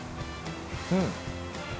うん。